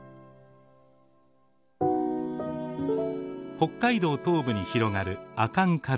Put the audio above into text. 北海道東部に広がる阿寒カルデラ。